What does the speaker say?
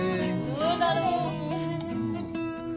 どうだろう。